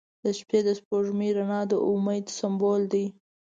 • د شپې د سپوږمۍ رڼا د امید سمبول دی.